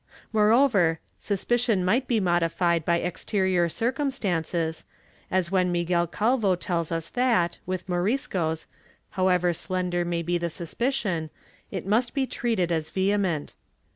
^ Moreover, suspicion might be modified by exterior circumstances, as when Miguel Calvo tells us that, with Moriscos, however slender may be the suspicion, it must be treated as vehe ment.'